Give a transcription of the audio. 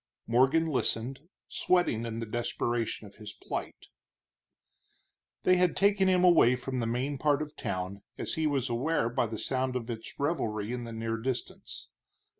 Morgan listened, sweating in the desperation of his plight. They had taken him away from the main part of town, as he was aware by the sound of its revelry in the near distance.